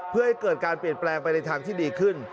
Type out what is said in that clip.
เพื่อให้เกิดการเปลี่ยนแปลงไปในทางที่ดีขึ้น